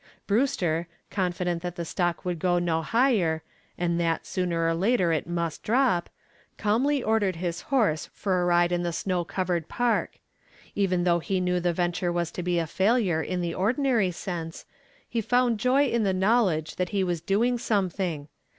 Brewster, confident that the stock could go no higher, and that sooner or later it must drop, calmly ordered his horse for a ride in the snow covered park. Even though he knew the venture was to be a failure in the ordinary sense he found joy in the knowledge that he was doing something.